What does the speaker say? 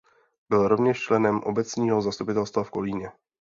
Byl rovněž členem obecního zastupitelstva v Kolíně.